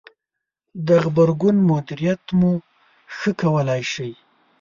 -د غبرګون مدیریت مو ښه کولای ش ئ